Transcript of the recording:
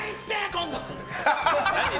今度。